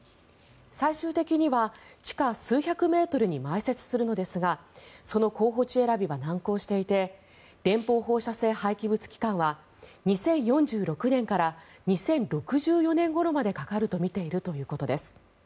最終的には地下数百メートルに埋設するのですがその候補地選びは難航していて連邦放射性廃棄物機関は２０４６年から２０６４年ごろまでかかるとみているということです。